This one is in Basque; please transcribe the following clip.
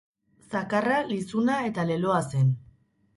Zakarra, lizuna, eta leloa zen.